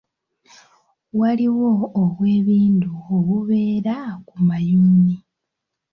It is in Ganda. Waliwo obwebindu obubeera ku mayuuni.